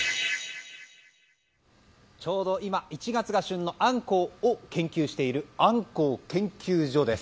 ちょうど今１月が旬のあんこうを研究しているあんこう研究所です。